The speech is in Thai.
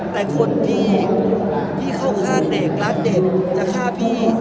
แต่คนที่เข้าข้างเด็กรักเด็กจะฆ่าพี่